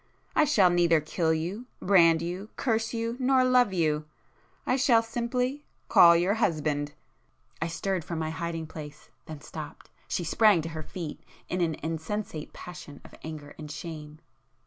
I shall neither kill you, brand you, curse you, nor love you;—I shall simply—call your husband!" I stirred from my hiding place,—then stopped. She sprang to her feet in an insensate passion of anger and shame.